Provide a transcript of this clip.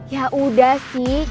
ya udah sih